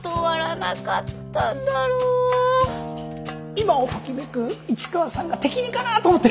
今をときめく市川さんが適任かなと思って。